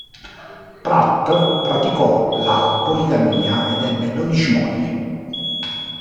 Pratt praticò la poligamia ed ebbe dodici mogli.